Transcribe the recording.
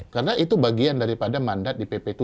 karena itu bagian daripada mandat di pp tujuh